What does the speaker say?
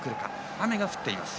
雨が降っています。